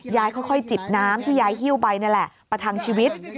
ยายค่อยจิบน้ำที่ยายหิ้วไปนี่แหละประทังชีวิต